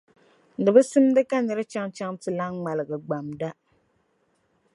Di bi simdi ka nir’ chaŋchaŋ ti lan ŋmaligi gbamda.